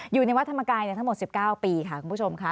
อยู่ในวัดธรรมกายทั้งหมด๑๙ปีค่ะคุณผู้ชมค่ะ